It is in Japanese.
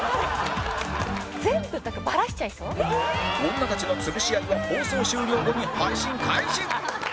女たちの潰し合いは放送終了後に配信開始！